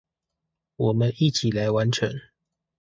我們一起來完成